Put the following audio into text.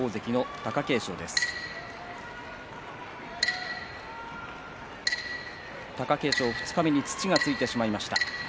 貴景勝、二日目に土がついてしまいました。